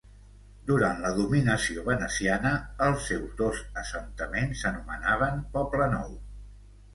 Durant la dominació veneciana els seus dos assentaments s'anomenaven "Poble Nou".